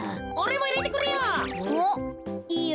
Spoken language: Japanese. いいよ。